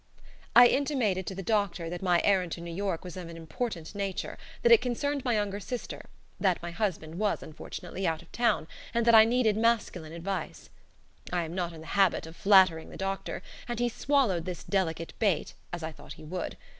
I intimated to the doctor that my errand to New York was of an important nature: that it concerned my younger sister; that my husband was, unfortunately, out of town, and that I needed masculine advice. I am not in the habit of flattering the doctor, and he swallowed this delicate bait, as I thought he would.